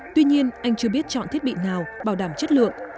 tuy nhiên anh chưa biết chọn thiết bị nào bảo đảm chất lượng